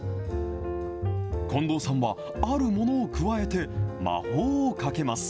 近藤さんはあるものを加えて、魔法をかけます。